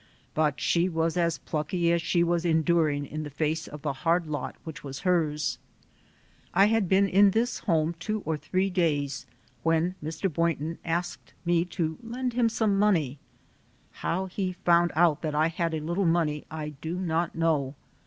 But she was as plucky as she was enduring in the face of the hard lot which was hers. 140 THE SOUL OF AN IMMIGRANT I had been in this home two or three days when Mr. Boynton asked me to lend him some money. How he found out that I had a little money I do not know.